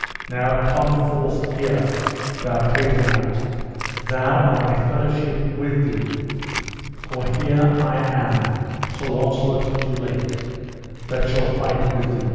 now come forth here, thou traitor knight, thou and thy fellowship with thee; for here I am, Sir Launcelot du Lake, that shall fight with you.